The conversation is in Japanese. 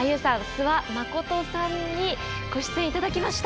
諏訪理さんにご出演頂きました。